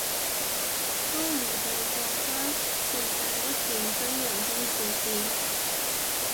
都唔夠國家是但一件真人真事癲